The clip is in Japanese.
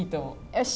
よし！